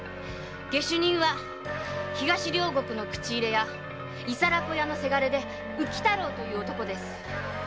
下手人は東両国の口入れ屋伊皿子屋の倅で浮太郎という男です。